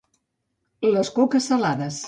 Les coques salades